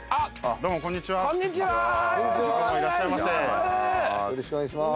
どうもこんにちはいらっしゃいませお願いします